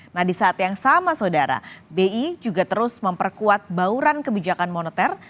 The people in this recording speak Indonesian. nah di saat yang sama saudara bi juga terus memperkuat bauran kebijakan moneter